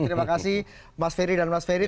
terima kasih mas ferry dan mas ferry